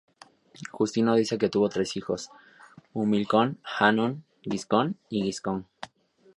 Justino dice que tuvo tres hijos: Himilcón, Hannón Giscón y Giscón.